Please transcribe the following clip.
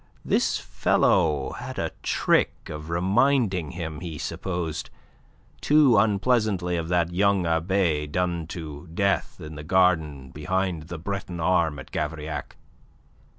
This fellow had a trick of reminding him, he supposed, too unpleasantly of that young abbe done to death in the garden behind the Breton arme at Gavrillac.